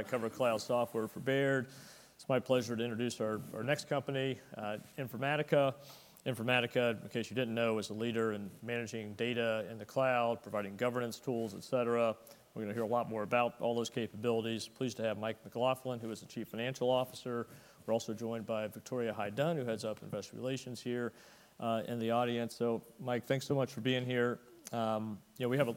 I cover cloud software for Baird. It's my pleasure to introduce our next company, Informatica. Informatica, in case you didn't know, is a leader in managing data in the cloud, providing governance tools, et cetera. We're gonna hear a lot more about all those capabilities. Pleased to have Mike McLaughlin, who is the Chief Financial Officer. We're also joined by Victoria Hyde-Dunn, who heads up investor relations here, in the audience. So Mike, thanks so much for being here. You know, we have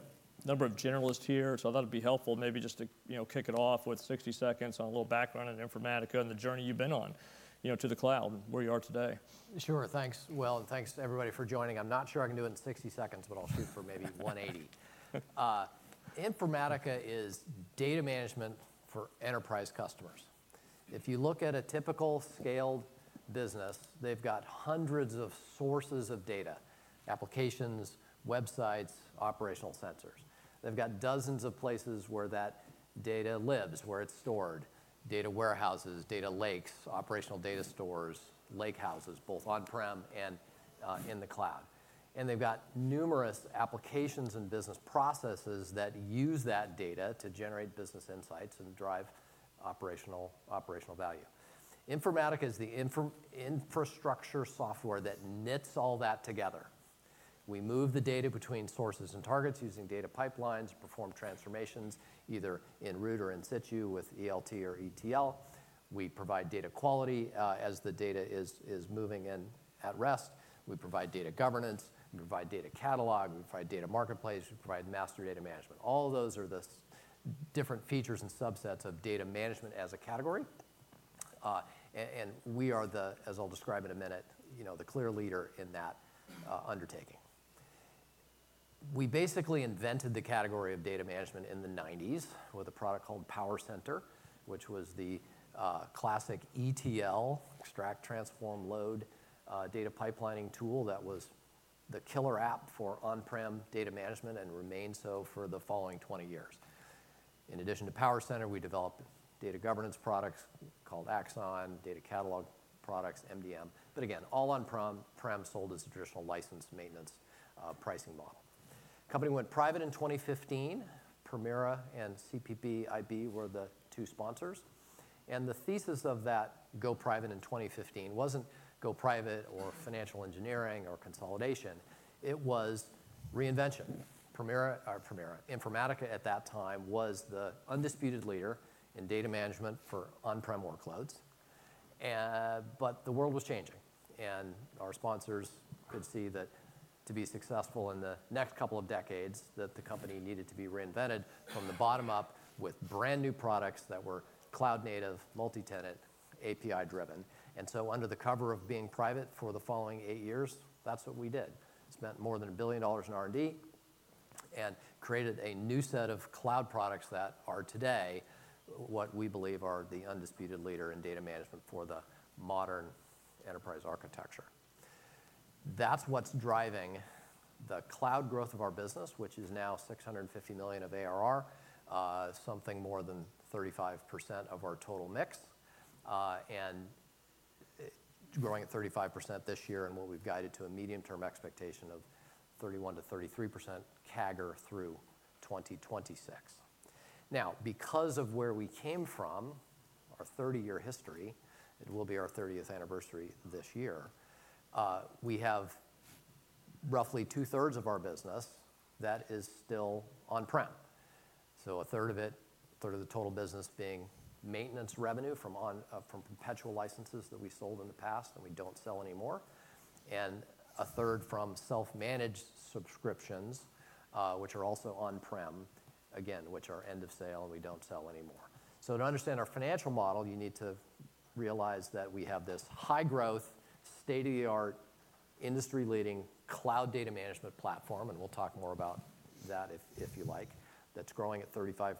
a number of generalists here, so I thought it'd be helpful maybe just to, you know, kick it off with 60 seconds on a little background on Informatica and the journey you've been on, you know, to the cloud, where you are today. Sure. Thanks, Will, and thanks to everybody for joining. I'm not sure I can do it in 60 seconds, but I'll shoot for maybe 180. Informatica is data management for enterprise customers. If you look at a typical scaled business, they've got hundreds of sources of data, applications, websites, operational sensors. They've got dozens of places where that data lives, where it's stored: data warehouses, data lakes, operational data stores, lakehouses, both on-prem and in the cloud. And they've got numerous applications and business processes that use that data to generate business insights and drive operational value. Informatica is the information infrastructure software that knits all that together. We move the data between sources and targets using data pipelines, perform transformations either in root or in situ with ELT or ETL. We provide data quality as the data is moving and at rest. We provide data governance, we provide data catalog, we provide data marketplace, we provide master data management. All of those are the different features and subsets of data management as a category. And we are the, as I'll describe in a minute, you know, the clear leader in that undertaking. We basically invented the category of data management in the 1990s with a product called PowerCenter, which was the classic ETL, extract, transform, load, data pipelining tool that was the killer app for on-prem data management, and remained so for the following 20 years. In addition to PowerCenter, we developed data governance products called Axon, data catalog products, MDM, but again, all on-prem, prem, sold as a traditional licensed maintenance pricing model. Company went private in 2015. Permira and CPPIB were the two sponsors, and the thesis of that go private in 2015 wasn't go private or financial engineering or consolidation. It was reinvention. Permira... Permira. Informatica at that time was the undisputed leader in data management for on-prem workloads. But the world was changing, and our sponsors could see that to be successful in the next couple of decades, that the company needed to be reinvented from the bottom up with brand-new products that were cloud native, multi-tenant, API-driven. And so under the cover of being private for the following eight years, that's what we did. Spent more than $1 billion in R&D and created a new set of cloud products that are today what we believe are the undisputed leader in data management for the modern enterprise architecture. That's what's driving the cloud growth of our business, which is now $650 million of ARR, something more than 35% of our total mix, and growing at 35% this year, and what we've guided to a medium-term expectation of 31% to 33% CAGR through 2026. Now, because of where we came from, our 30-year history, it will be our 30th anniversary this year, we have roughly 2/3 of our business that is still on-prem. So a third of it, a third of the total business being maintenance revenue from on, from perpetual licenses that we sold in the past and we don't sell anymore, and a third from self-managed subscriptions, which are also on-prem, again, which are end of sale, and we don't sell anymore. So to understand our financial model, you need to realize that we have this high-growth, state-of-the-art, industry-leading cloud data management platform, and we'll talk more about that if, if you like. That's growing at 35%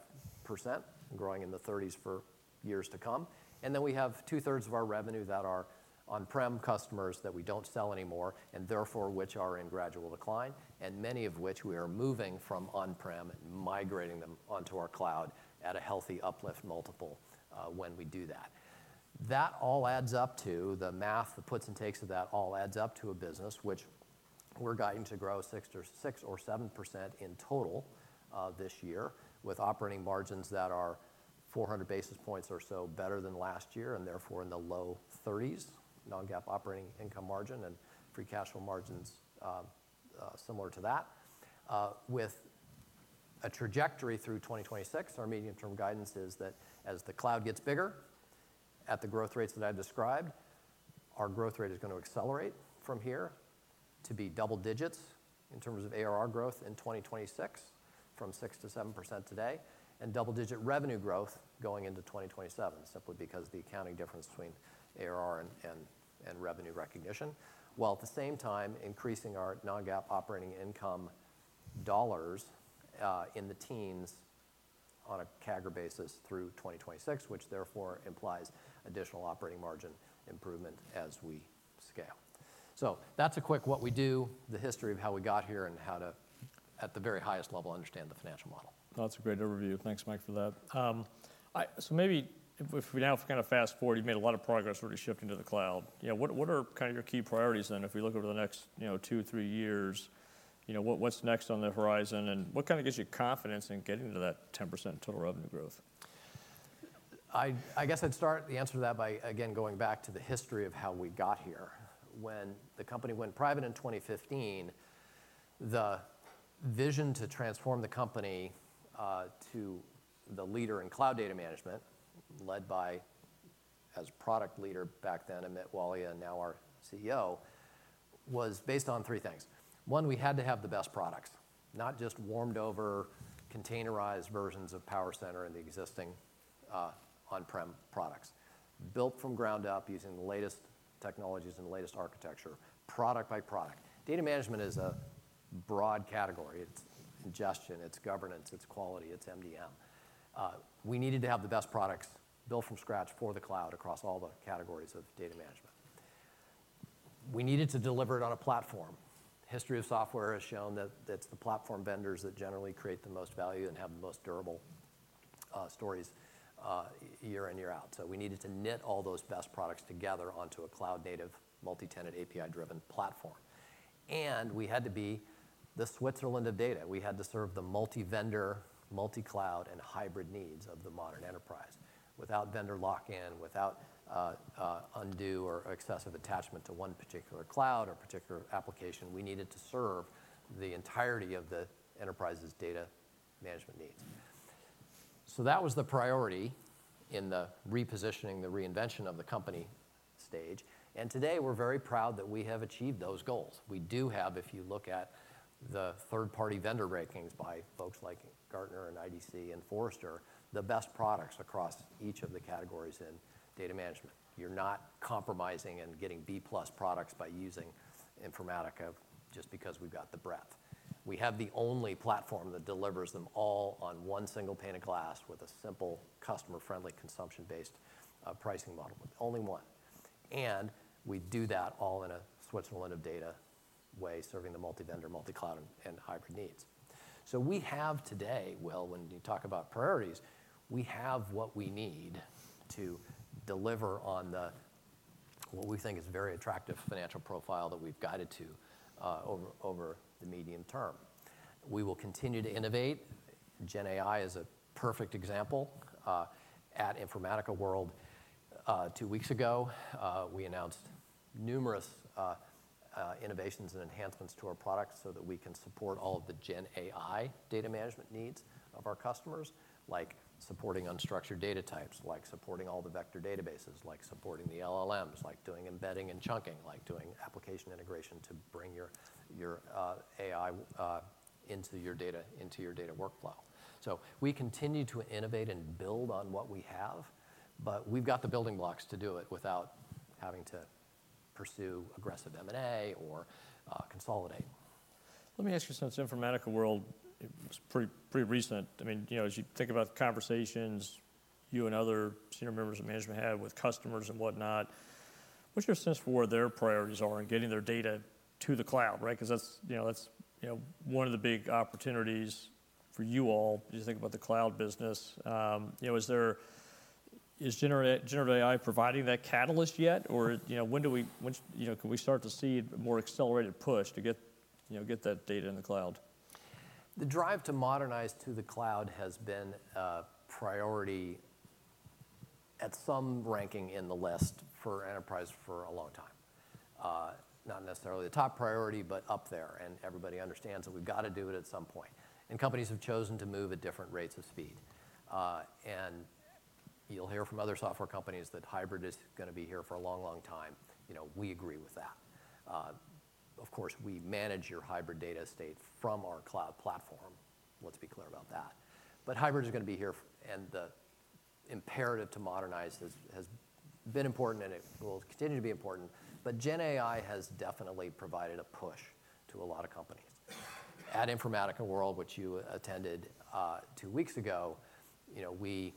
and growing in the 30s for years to come. And then we have 2/3 of our revenue that are on-prem customers that we don't sell anymore, and therefore, which are in gradual decline, and many of which we are moving from on-prem and migrating them onto our cloud at a healthy uplift multiple when we do that. That all adds up to the math, the puts and takes of that all adds up to a business which we're guiding to grow 6% or 6% or 7% in total this year, with operating margins that are 400 basis points or so better than last year, and therefore, in the low thirties, non-GAAP operating income margin and free cash flow margins similar to that. With a trajectory through 2026, our medium-term guidance is that as the cloud gets bigger, at the growth rates that I've described, our growth rate is going to accelerate from here to be double digits in terms of ARR growth in 2026, from 6% to 7% today, and double-digit revenue growth going into 2027, simply because the accounting difference between ARR and revenue recognition. While at the same time, increasing our non-GAAP operating income dollars, in the teens on a CAGR basis through 2026, which therefore implies additional operating margin improvement as we scale. So that's a quick what we do, the history of how we got here, and how to, at the very highest level, understand the financial model. That's a great overview. Thanks, Mike, for that. So maybe if we now kind of fast-forward, you've made a lot of progress already shifting to the cloud. You know, what, what are kind of your key priorities then, if we look over the next, you know, two, three years? You know, what, what's next on the horizon? And what kind of gives you confidence in getting to that 10% total revenue growth? I, I guess I'd start the answer to that by, again, going back to the history of how we got here. When the company went private in 2015, the vision to transform the company to the leader in cloud data management, led by, as product leader back then, Amit Walia, now our CEO, was based on three things. One, we had to have the best products, not just warmed-over, containerized versions of PowerCenter and the existing on-prem products. Built from ground up, using the latest technologies and the latest architecture, product by product. Data management is a broad category. It's ingestion, it's governance, it's quality, it's MDM. We needed to have the best products built from scratch for the cloud across all the categories of data management. We needed to deliver it on a platform. History of software has shown that it's the platform vendors that generally create the most value and have the most durable stories year in, year out. So we needed to knit all those best products together onto a cloud-native, multi-tenant, API-driven platform. And we had to be the Switzerland of data. We had to serve the multi-vendor, multi-cloud, and hybrid needs of the modern enterprise. Without vendor lock-in, without undue or excessive attachment to one particular cloud or particular application, we needed to serve the entirety of the enterprise's data management needs. So that was the priority in the repositioning, the reinvention of the company stage, and today, we're very proud that we have achieved those goals. We do have, if you look at the third-party vendor rankings by folks like Gartner and IDC and Forrester, the best products across each of the categories in data management. You're not compromising and getting B+ products by using Informatica just because we've got the breadth. We have the only platform that delivers them all on one single pane of glass with a simple, customer-friendly, consumption-based pricing model, with only one. And we do that all in a Switzerland of data way, serving the multi-vendor, multi-cloud, and hybrid needs. So we have today. Well, when you talk about priorities, we have what we need to deliver on what we think is a very attractive financial profile that we've guided to over the medium term. We will continue to innovate. Gen AI is a perfect example. At Informatica World, two weeks ago, we announced numerous innovations and enhancements to our products so that we can support all of the Gen AI data management needs of our customers, like supporting unstructured data types, like supporting all the vector databases, like supporting the LLMs, like doing embedding and chunking, like doing application integration to bring your, your, AI, into your data, into your data workflow. So we continue to innovate and build on what we have, but we've got the building blocks to do it without having to pursue aggressive M&A or, consolidate. Let me ask you, since Informatica World, it's pretty, pretty recent. I mean, you know, as you think about the conversations you and other senior members of management had with customers and whatnot, what's your sense for where their priorities are in getting their data to the cloud, right? 'Cause that's, you know, that's, you know, one of the big opportunities for you all as you think about the cloud business. You know, is there... Is Generative AI providing that catalyst yet? Or, you know, when do we, when, you know, can we start to see more accelerated push to get, you know, get that data in the cloud? The drive to modernize to the cloud has been a priority at some ranking in the list for enterprise for a long time. Not necessarily the top priority, but up there, and everybody understands that we've got to do it at some point. And companies have chosen to move at different rates of speed. And you'll hear from other software companies that hybrid is gonna be here for a long, long time. You know, we agree with that. Of course, we manage your hybrid data estate from our cloud platform. Let's be clear about that. But hybrid is gonna be here and the imperative to modernize has, has been important, and it will continue to be important. But Gen AI has definitely provided a push to a lot of companies. At Informatica World, which you attended, two weeks ago, you know, we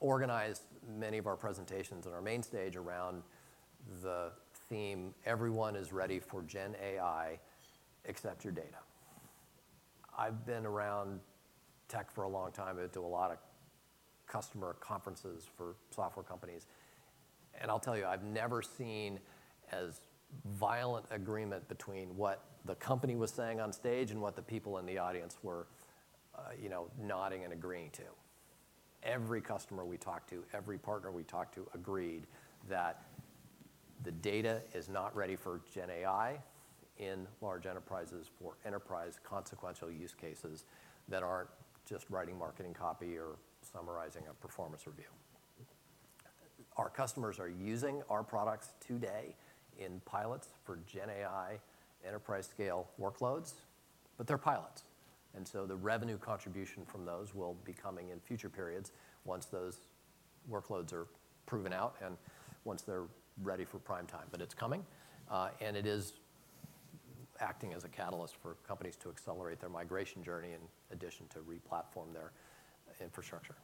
organized many of our presentations on our main stage around the theme, "Everyone is ready for Gen AI except your data." I've been around tech for a long time and been to a lot of customer conferences for software companies, and I'll tell you, I've never seen as violent agreement between what the company was saying on stage and what the people in the audience were, you know, nodding and agreeing to. Every customer we talked to, every partner we talked to, agreed that the data is not ready for Gen AI in large enterprises for enterprise consequential use cases that aren't just writing marketing copy or summarizing a performance review. Our customers are using our products today in pilots for Gen AI enterprise-scale workloads, but they're pilots, and so the revenue contribution from those will be coming in future periods once those workloads are proven out and once they're ready for prime time. But it's coming, and it is acting as a catalyst for companies to accelerate their migration journey, in addition to re-platform their infrastructure.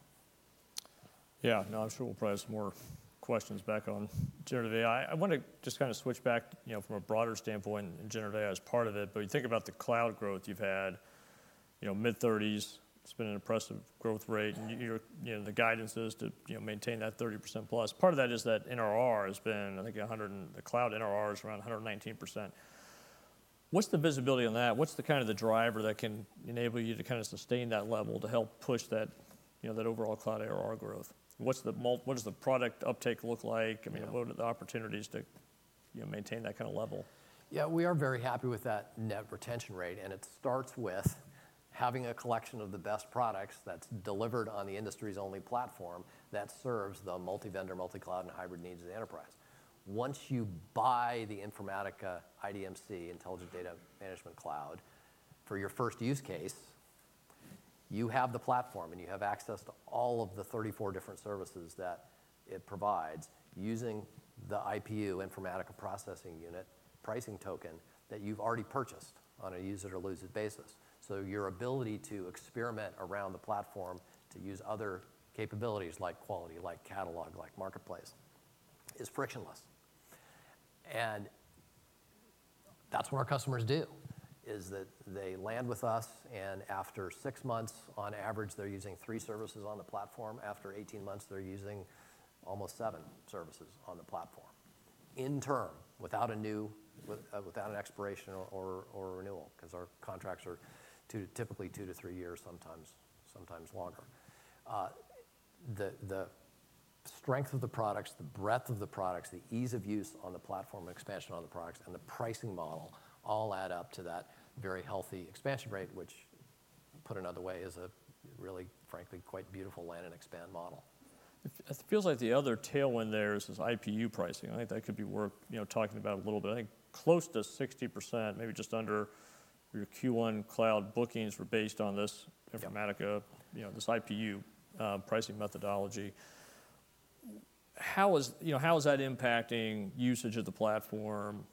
Yeah. No, I'm sure we'll probably have some more questions back on generative AI. I want to just kinda switch back, you know, from a broader standpoint, and generative AI as part of it. But you think about the cloud growth you've had—you know, mid-30s. It's been an impressive growth rate, and you're, you know, the guidance is to, you know, maintain that 30%+. Part of that is that NRR has been, I think, a hundred and—the cloud NRR is around 119%. What's the visibility on that? What's the kind of the driver that can enable you to kinda sustain that level, to help push that, you know, that overall cloud ARR growth? What does the product uptake look like? I mean what are the opportunities to, you know, maintain that kind of level? Yeah, we are very happy with that net retention rate, and it starts with having a collection of the best products that's delivered on the industry's only platform that serves the multi-vendor, multi-cloud, and hybrid needs of the enterprise. Once you buy the Informatica IDMC, Intelligent Data Management Cloud, for your first use case, you have the platform, and you have access to all of the 34 different services that it provides, using the IPU, Informatica Processing Unit, pricing token that you've already purchased on a use it or lose it basis. So your ability to experiment around the platform, to use other capabilities like quality, like catalog, like marketplace, is frictionless. And that's what our customers do, is that they land with us, and after 6 months, on average, they're using three services on the platform. After 18 months, they're using almost 7 services on the platform, in turn, without an expiration or renewal, 'cause our contracts are 2, typically 2 to 3 years, sometimes longer. The strength of the products, the breadth of the products, the ease of use on the platform, expansion on the products, and the pricing model all add up to that very healthy expansion rate, which, put another way, is a really, frankly, quite beautiful land and expand model. It feels like the other tailwind there is this IPU pricing. I think that could be worth, you know, talking about a little bit. I think close to 60%, maybe just under, your Q1 cloud bookings were based on this Informatica you know, this IPU pricing methodology. How is, you know, how is that impacting usage of the platform,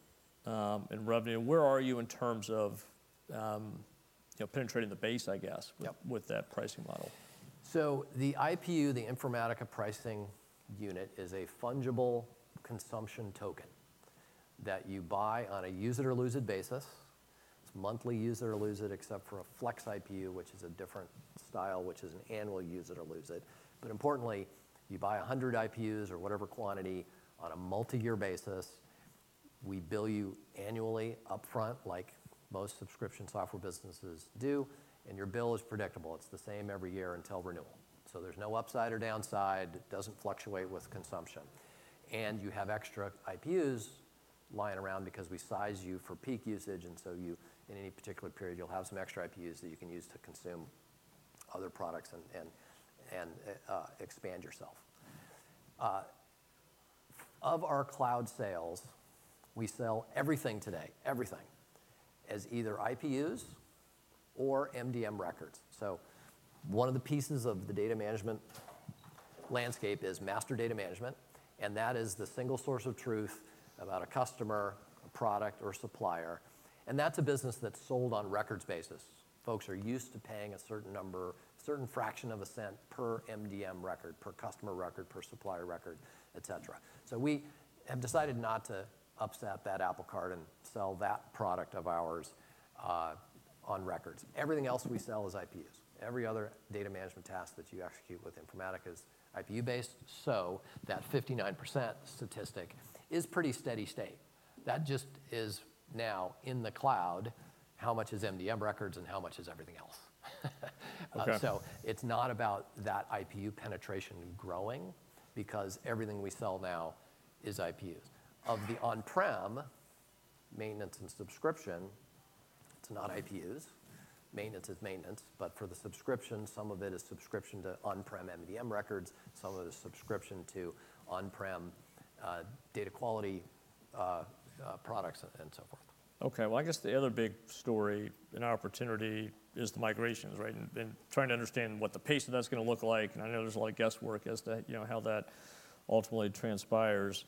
and revenue? Where are you in terms of, you know, penetrating the base, I guess with that pricing model? So the IPU, the Informatica Processing Unit, is a fungible consumption token that you buy on a use it or lose it basis. It's monthly use it or lose it, except for a Flex IPU, which is a different style, which is an annual use it or lose it. But importantly, you buy 100 IPUs or whatever quantity on a multi-year basis. We bill you annually upfront, like most subscription software businesses do, and your bill is predictable. It's the same every year until renewal. So there's no upside or downside. It doesn't fluctuate with consumption, and you have extra IPUs lying around because we size you for peak usage, and so you, in any particular period, you'll have some extra IPUs that you can use to consume other products and expand yourself. Of our cloud sales, we sell everything today, everything, as either IPUs or MDM records. So one of the pieces of the data management landscape is Master Data Management, and that is the single source of truth about a customer, a product, or supplier, and that's a business that's sold on records basis. Folks are used to paying a certain number, certain fraction of a cent per MDM record, per customer record, per supplier record, et cetera. So we have decided not to upset that apple cart and sell that product of ours, on records. Everything else we sell is IPUs. Every other data management task that you execute with Informatica is IPU-based, so that 59% statistic is pretty steady state. That just is now in the cloud, how much is MDM records and how much is everything else? Okay. So it's not about that IPU penetration growing, because everything we sell now is IPUs. Of the on-prem maintenance and subscription, it's not IPUs. Maintenance is maintenance, but for the subscription, some of it is subscription to on-prem MDM records, some of it is subscription to on-prem, data quality, products and so forth. Okay, well, I guess the other big story and opportunity is the migrations, right? And trying to understand what the pace of that's gonna look like, and I know there's a lot of guesswork as to, you know, how that ultimately transpires.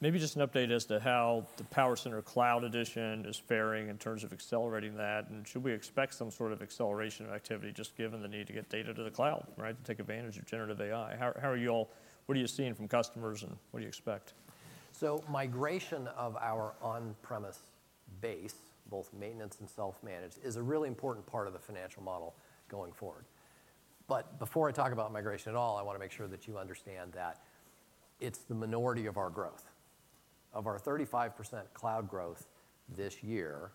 Maybe just an update as to how the PowerCenter Cloud Edition is faring in terms of accelerating that, and should we expect some sort of acceleration of activity, just given the need to get data to the cloud, right? To take advantage of generative AI. How are you all-- What are you seeing from customers, and what do you expect? So migration of our on-premise base, both maintenance and self-managed, is a really important part of the financial model going forward. But before I talk about migration at all, I want to make sure that you understand that it's the minority of our growth. Of our 35% cloud growth this year,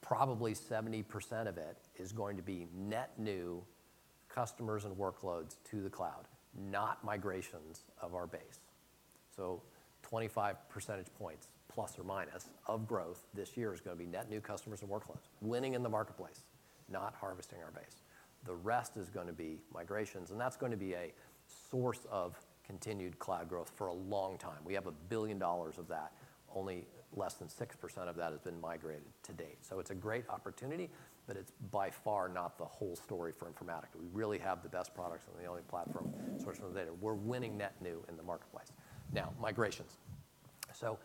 probably 70% of it is going to be net new customers and workloads to the cloud, not migrations of our base. So 25 percentage points, ±, of growth this year is gonna be net new customers and workloads. Winning in the marketplace, not harvesting our base. The rest is gonna be migrations, and that's gonna be a source of continued cloud growth for a long time. We have $1 billion of that. Only less than 6% of that has been migrated to date. So it's a great opportunity, but it's by far not the whole story for Informatica. We really have the best products and the only platform, source of data. We're winning net new in the marketplace. Now, migrations. So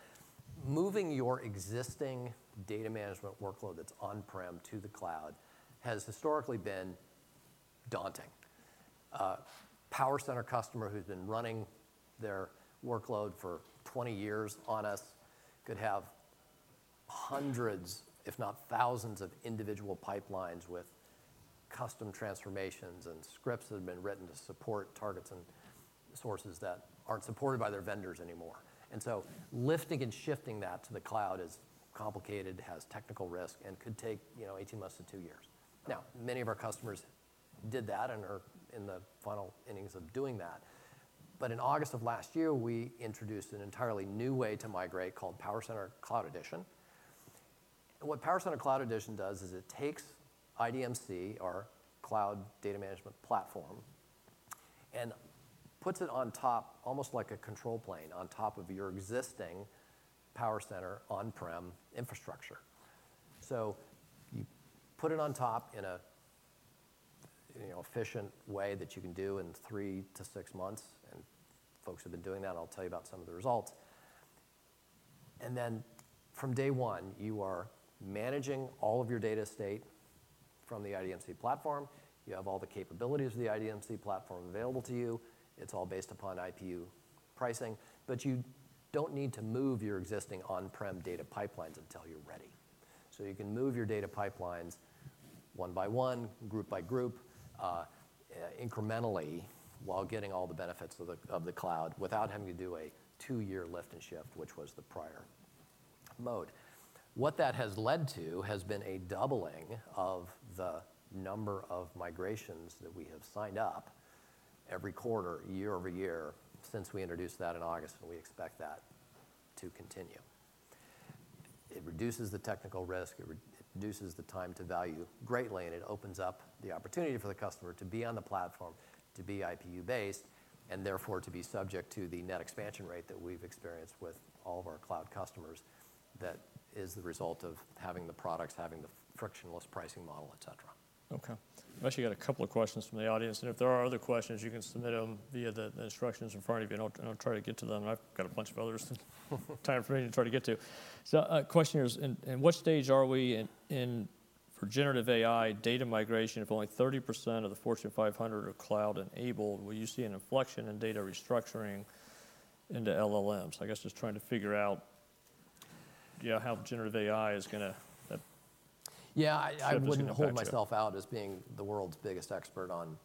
moving your existing data management workload that's on-prem to the cloud, has historically been daunting. PowerCenter customer who's been running their workload for 20 years on us could have hundreds, if not thousands, of individual pipelines with custom transformations and scripts that have been written to support targets and sources that aren't supported by their vendors anymore. And so lifting and shifting that to the cloud is complicated, has technical risk, and could take, you know, 18 months to 2 years. Now, many of our customers did that and are in the final innings of doing that. But in August of last year, we introduced an entirely new way to migrate called PowerCenter Cloud Edition. And what PowerCenter Cloud Edition does is it takes IDMC, our cloud data management platform, and puts it on top, almost like a control plane, on top of your existing PowerCenter on-prem infrastructure. So you put it on top in a, you know, efficient way that you can do in 3 to 6 months, and folks have been doing that, I'll tell you about some of the results. And then from day one, you are managing all of your data estate from the IDMC platform. You have all the capabilities of the IDMC platform available to you. It's all based upon IPU pricing, but you don't need to move your existing on-prem data pipelines until you're ready. So you can move your data pipelines one by one, group by group, incrementally, while getting all the benefits of the, of the cloud without having to do a 2-year lift and shift, which was the prior mode. What that has led to has been a doubling of the number of migrations that we have signed up every quarter, year over year, since we introduced that in August, and we expect that to continue. It reduces the technical risk, it reduces the time to value greatly, and it opens up the opportunity for the customer to be on the platform, to be IPU-based, and therefore, to be subject to the net expansion rate that we've experienced with all of our cloud customers. That is the result of having the products, having the frictionless pricing model, et cetera. Okay. I've actually got a couple of questions from the audience, and if there are other questions, you can submit them via the instructions in front of you, and I'll try to get to them. I've got a bunch of others, time for me to try to get to. So, question here is: "In what stage are we in for generative AI data migration, if only 30% of the Fortune 500 are cloud-enabled? Will you see an inflection in data restructuring into LLMs?" I guess just trying to figure out, yeah, how generative AI is gonna, how that's gonna affect you. I wouldn't hold myself out as being the world's biggest expert on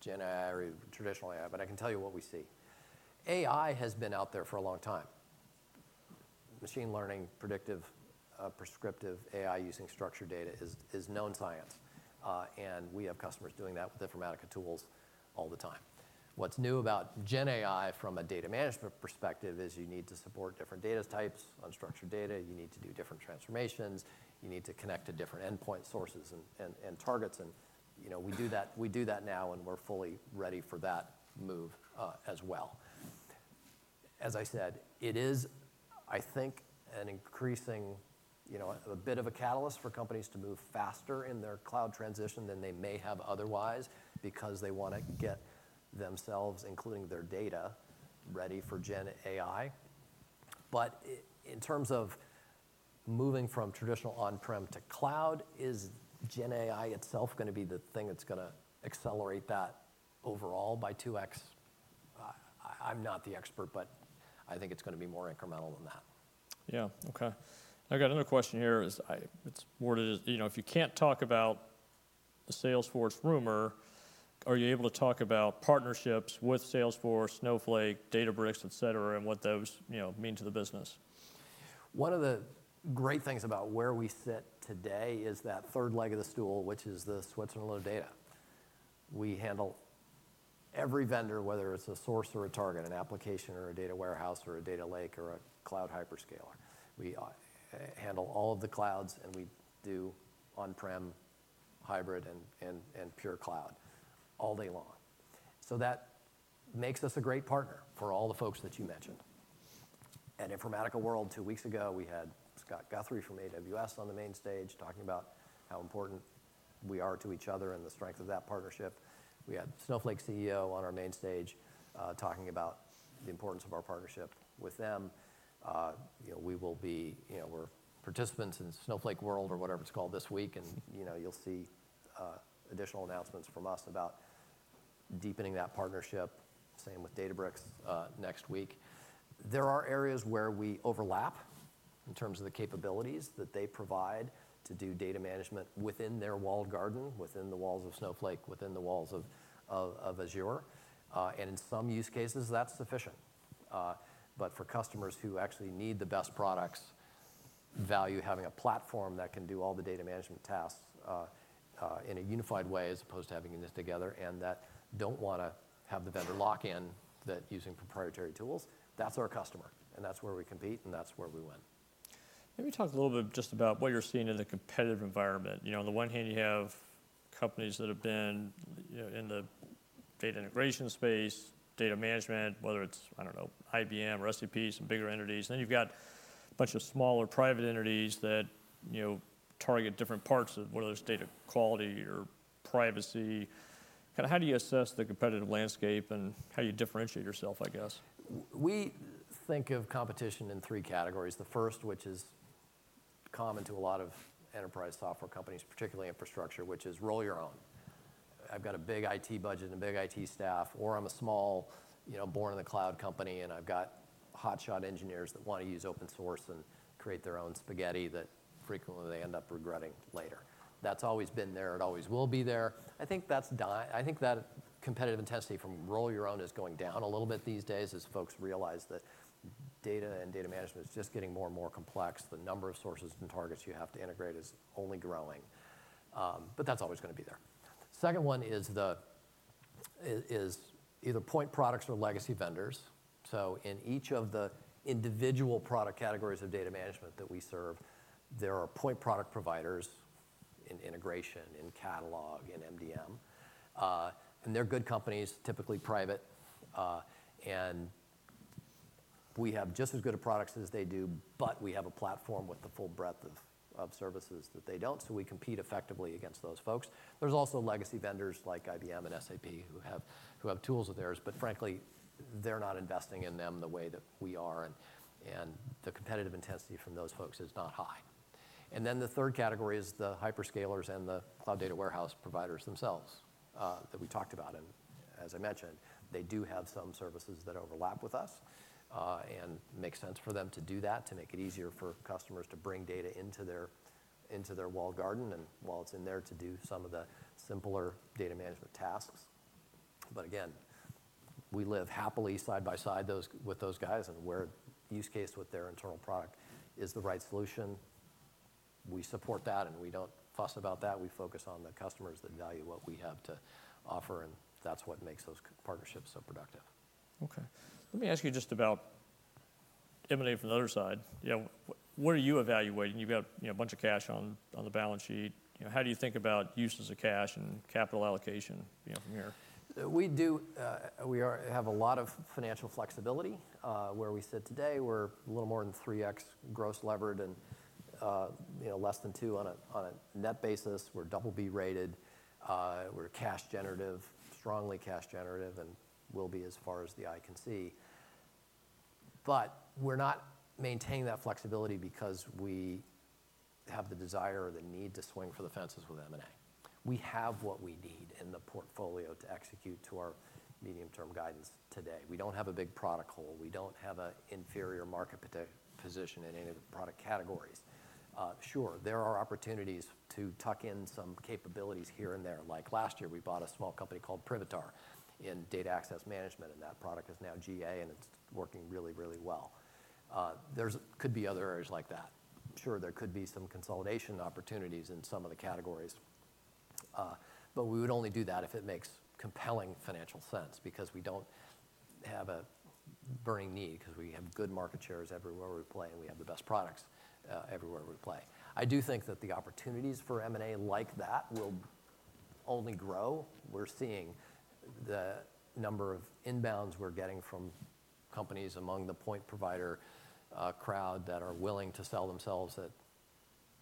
Gen AI or traditional AI, but I can tell you what we see. AI has been out there for a long time. Machine learning, predictive, prescriptive AI using structured data is known science, and we have customers doing that with Informatica tools all the time. What's new about Gen AI from a data management perspective is you need to support different data types, unstructured data, you need to do different transformations, you need to connect to different endpoint sources and targets, and, you know, we do that, we do that now, and we're fully ready for that move, as well. As I said, it is, I think, an increasing, you know, a bit of a catalyst for companies to move faster in their cloud transition than they may have otherwise, because they wanna get themselves, including their data, ready for gen AI. But in terms of moving from traditional on-prem to cloud, is gen AI itself gonna be the thing that's gonna accelerate that overall by 2x? I'm not the expert, but I think it's gonna be more incremental than that. Yeah. Okay. I've got another question here. It's worded as, you know, "If you can't talk about the Salesforce rumor, are you able to talk about partnerships with Salesforce, Snowflake, Databricks, et cetera, and what those, you know, mean to the business? One of the great things about where we sit today is that third leg of the stool, which is the Switzerland of data. We handle every vendor, whether it's a source or a target, an application or a data warehouse, or a data lake, or a cloud hyperscaler. We handle all of the clouds, and we do on-prem, hybrid and pure cloud all day long. So that makes us a great partner for all the folks that you mentioned. At Informatica World, two weeks ago, we had Scott Guthrie from AWS on the main stage, talking about how important we are to each other and the strength of that partnership. We had Snowflake's CEO on our main stage, talking about the importance of our partnership with them. You know, we will be... You know, we're participants in Snowflake World, or whatever it's called, this week, and, you know, you'll see additional announcements from us about deepening that partnership. Same with Databricks next week. There are areas where we overlap in terms of the capabilities that they provide to do data management within their walled garden, within the walls of Snowflake, within the walls of Azure. And in some use cases, that's sufficient. But for customers who actually need the best products, value having a platform that can do all the data management tasks in a unified way, as opposed to having this together, and that don't wanna have the vendor lock-in, that using proprietary tools, that's our customer, and that's where we compete, and that's where we win. Let me talk a little bit just about what you're seeing in the competitive environment. You know, on the one hand, you have companies that have been, you know, in the data integration space, data management, whether it's, I don't know, IBM or SAP, some bigger entities, then you've got a bunch of smaller private entities that, you know, target different parts of whether it's data quality or privacy. Kinda how do you assess the competitive landscape and how you differentiate yourself, I guess? We think of competition in three categories. The first, which is common to a lot of enterprise software companies, particularly infrastructure, which is roll your own. I've got a big IT budget and a big IT staff, or I'm a small, you know, born in the cloud company, and I've got hotshot engineers that want to use open source and create their own spaghetti that frequently they end up regretting later. That's always been there, and always will be there. I think that competitive intensity from roll your own is going down a little bit these days, as folks realize that data and data management is just getting more and more complex. The number of sources and targets you have to integrate is only growing. But that's always going to be there. Second one is either point products or legacy vendors. So in each of the individual product categories of data management that we serve, there are point product providers in integration, in catalog, in MDM, and they're good companies, typically private. We have just as good a products as they do, but we have a platform with the full breadth of services that they don't, so we compete effectively against those folks. There's also legacy vendors like IBM and SAP, who have tools of theirs, but frankly, they're not investing in them the way that we are, and the competitive intensity from those folks is not high. Then the third category is the hyperscalers and the cloud data warehouse providers themselves, that we talked about. And as I mentioned, they do have some services that overlap with us, and makes sense for them to do that, to make it easier for customers to bring data into their walled garden, and while it's in there, to do some of the simpler data management tasks. But again, we live happily side by side with those guys, and where use case with their internal product is the right solution, we support that, and we don't fuss about that. We focus on the customers that value what we have to offer, and that's what makes those partnerships so productive. Okay. Let me ask you just about M&A from the other side. You know, what are you evaluating? You've got, you know, a bunch of cash on, on the balance sheet. You know, how do you think about uses of cash and capital allocation, you know, from here? We do... we are have a lot of financial flexibility. Where we sit today, we're a little more than 3x gross levered and, you know, less than two on a net basis. We're double B-rated. We're cash generative, strongly cash generative, and will be as far as the eye can see. But we're not maintaining that flexibility because we have the desire or the need to swing for the fences with M&A. We have what we need in the portfolio to execute to our medium-term guidance today. We don't have a big product hole. We don't have a inferior market position in any of the product categories. Sure, there are opportunities to tuck in some capabilities here and there. Like last year, we bought a small company called Privitar, in data access management, and that product is now GA, and it's working really, really well. There could be other areas like that. Sure, there could be some consolidation opportunities in some of the categories, but we would only do that if it makes compelling financial sense because we don't have a burning need, 'cause we have good market shares everywhere we play, and we have the best products everywhere we play. I do think that the opportunities for M&A like that will only grow. We're seeing the number of inbounds we're getting from companies among the point provider crowd that are willing to sell themselves at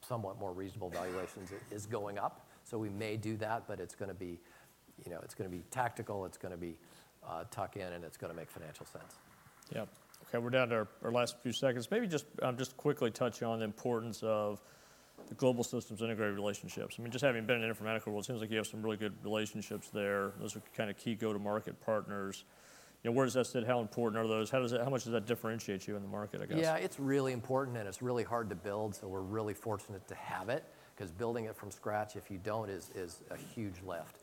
somewhat more reasonable valuations is going up. So we may do that, but it's gonna be, you know, it's gonna be tactical, it's gonna be tuck in, and it's gonna make financial sense. Yeah. Okay, we're down to our last few seconds. Maybe just quickly touch on the importance of the global systems integrator relationships. I mean, just having been in Informatica, well, it seems like you have some really good relationships there. Those are kind of key go-to-market partners. You know, where does that stand? How important are those? How much does that differentiate you in the market, I guess? Yeah, it's really important, and it's really hard to build, so we're really fortunate to have it. 'Cause building it from scratch, if you don't, is a huge lift.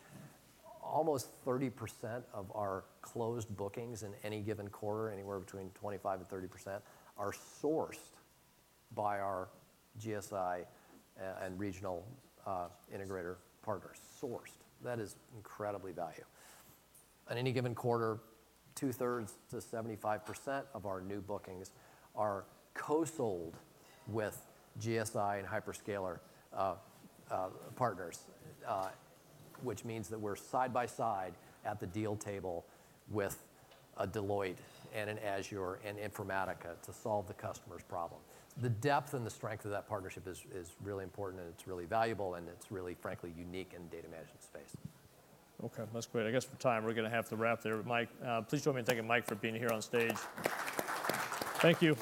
Almost 30% of our closed bookings in any given quarter, anywhere between 25% to 30%, are sourced by our GSI and regional integrator partners. Sourced. That is incredibly valuable. In any given quarter, 2/3 to 75% of our new bookings are co-sold with GSI and hyperscaler partners, which means that we're side by side at the deal table with a Deloitte and an Azure and Informatica to solve the customer's problem. The depth and the strength of that partnership is really important, and it's really valuable, and it's really, frankly, unique in the data management space. Okay, that's great. I guess for time, we're gonna have to wrap there. Mike, please join me in thanking Mike for being here on stage. Thank you.